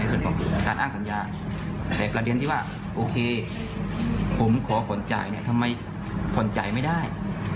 ส่วนการอ้างสัญญาแต่ประเด็นที่ว่าโอเคผมขอผ่อนจ่ายเนี่ยทำไมผ่อนจ่ายไม่ได้